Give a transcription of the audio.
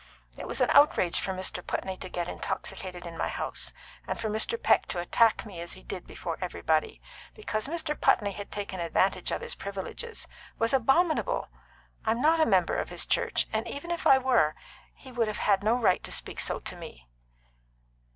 It was an outrage for Mr. Putney to get intoxicated in my house; and for Mr. Peck to attack me as he did before everybody, because Mr. Putney had taken advantage of his privileges, was abominable. I am not a member of his church; and even if I were, he would have had no right to speak so to me."